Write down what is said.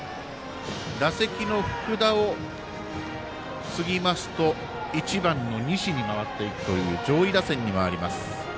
打席の福田を過ぎますと１番の西に回っていくという上位打線に回ります。